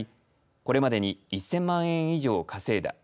これまでに１０００万円以上稼いだ。